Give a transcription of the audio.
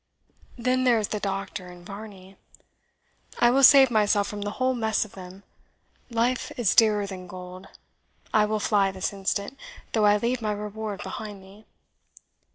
Then there is the Doctor and Varney. I will save myself from the whole mess of them. Life is dearer than gold. I will fly this instant, though I leave my reward behind me."